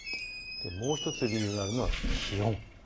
もう１つ理由があるのが気温。